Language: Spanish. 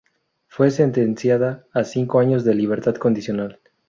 Fue sentenciada a cinco años de libertad condicional.